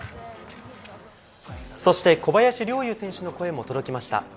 そして小林陵侑選手の声も届きました。